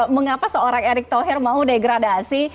mengapa seorang erick thohir mau degradasi